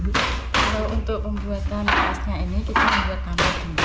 kalau untuk pembuatan alasnya ini kita membuat tampar dulu